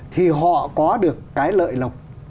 thì họ có được cái lợi lộc